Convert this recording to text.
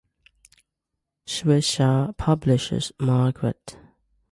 Shueisha publishes Margaret.